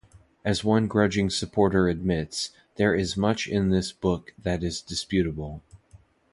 As one grudging supporter admits, there is much in this book that is disputable.